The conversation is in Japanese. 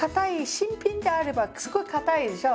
新品であればすごいかたいでしょう？